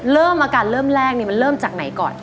เริ่มอาการเริ่มแรกนี่มันเริ่มจากไหนก่อน